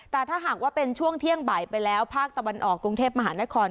แต่ถ้าหากว่าเป็นช่วงเที่ยงบ่ายไปแล้วภาคตะวันออกกรุงเทพมหานคร